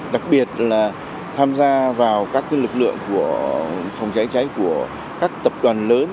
đặc biệt là tham gia vào các lực lượng của phòng cháy cháy của các tập đoàn lớn